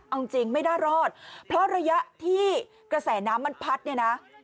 เอาจริงไม่น่ารอดเพราะระยะที่กระแสน้ำมันพัดเนี่ยนะ